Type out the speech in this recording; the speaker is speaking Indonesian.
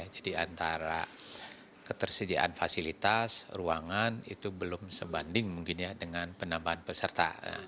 jadi antara ketersediaan fasilitas ruangan itu belum sebanding mungkin dengan penambahan peserta